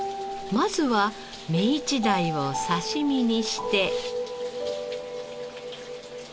まずはメイチダイを刺し身にして。